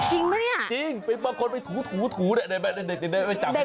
จริงปะเนี่ยะจริงไปบ้างคนถูแดดแมนไปจับ